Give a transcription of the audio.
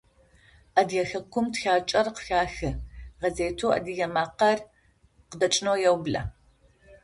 Адыгэ хэкум тхакӏэр къыхахы, гъэзетэу «Адыгэ макъэр» къыдэкӏынэу еублэ.